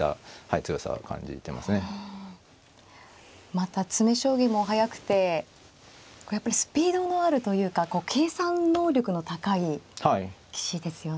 また詰め将棋も速くてやっぱりスピードのあるというか計算能力の高い棋士ですよね。